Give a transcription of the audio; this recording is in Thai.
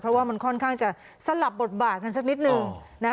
เพราะว่ามันค่อนข้างจะสลับบทบาทกันสักนิดนึงนะ